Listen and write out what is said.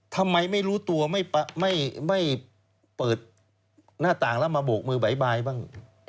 ทำไมไม่รู้ตัวไม่เปิดหน้าต่างแล้วมาโบกมือบ๊ายบายบ้าง